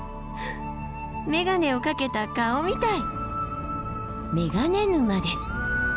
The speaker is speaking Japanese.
めがねをかけた顔みたい！